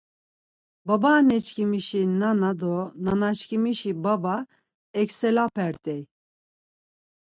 Babaaneşǩmişi nana do nanaşǩimişi baba eksalepert̆ey.